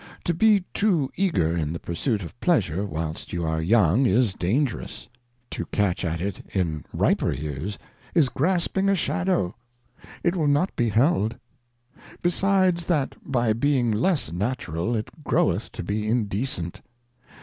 To be too eager in the pursuit of Pleasure whilst you are Young, is dangerous ; to catch at it in riper Years, is grasping a shadow ; it will not be held. Besides that by being less natural it groweth to be indecent.